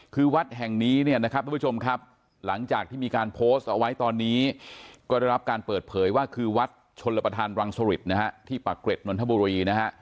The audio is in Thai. คือวัดแห่งนี้เนี่ยนะครับทุกผู้ชมครับหลังจากที่มีการโพสต์เอาไว้ตอนนี้ก็ได้รับการเปิดเผยว่าคือวัดชนระประธานรังสริตนะฮะที่ปากเกร็ดนนทบุรีนะฮะ